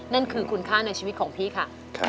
นั่นคือคุณค่าในชีวิตของพี่ค่ะ